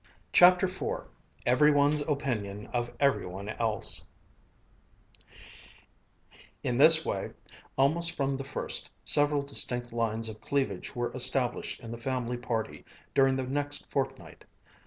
CHAPTER IV EVERY ONE'S OPINION OF EVERY ONE ELSE In this way, almost from the first, several distinct lines of cleavage were established in the family party during the next fortnight.